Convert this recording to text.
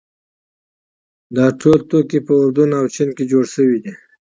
دا ټول توکي په اردن او چین کې جوړ شوي دي.